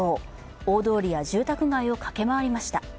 大通りや住宅街を駆け回りました。